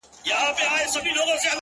دا څه ليونى دی بيـا يـې وويـل؛